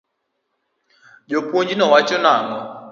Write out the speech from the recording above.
Japuonj no wacho nang'o?